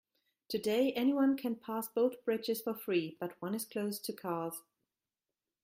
Today, anyone can pass both bridges for free, but one is closed to cars.